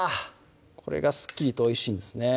これがすっきりとおいしいんですね